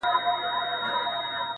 او د آس پښو ته د وجود ټول حرکات ولېږه,